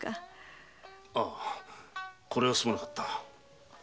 ああこれはすまなかった。